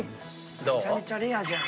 めちゃめちゃレアじゃん。